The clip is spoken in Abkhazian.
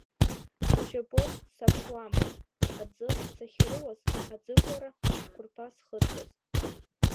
Сшьапы саԥшуамызт аӡы сахьыруаз, аӡыблара ацәқәырԥа зхыҵуаз.